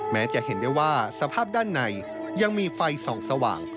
แม้จะเห็นได้ว่าสภาพด้านในยังมีไฟส่องสว่าง